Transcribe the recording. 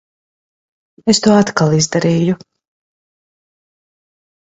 Es to atkal izdarīju.